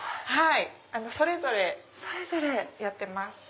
それぞれやってます。